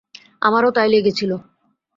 আমারও তাই লেগেছিল।